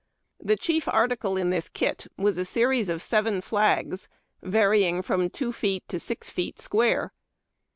The chief article in this kit was a series of seven flags, varying from two feet to six feet square.